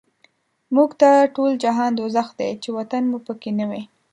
موږ ته ټول جهان دوزخ دی، چی وطن مو په کی نه وی